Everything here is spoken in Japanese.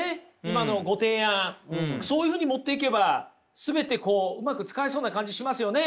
今のご提案そういうふうに持っていけば全てこううまく使えそうな感じしますよね？